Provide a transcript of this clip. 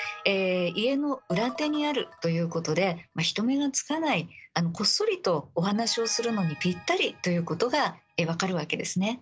家の裏手にあるということで人目につかないこっそりとお話をするのにぴったりということが分かるわけですね。